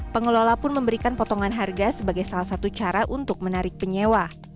pengelola pun memberikan potongan harga sebagai salah satu cara untuk menarik penyewa